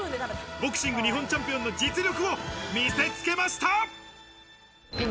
ボクシング日本チャンピオンの実力を見せ付けました！